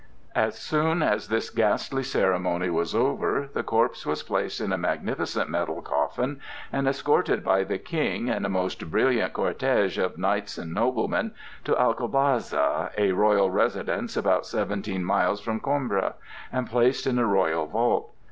As soon as this ghastly ceremony was over, the corpse was placed in a magnificent metal coffin and escorted by the King and a most brilliant cortège of knights and noblemen to Alcobaza, a royal residence about seventeen miles from Coimbra, and placed in a royal vault.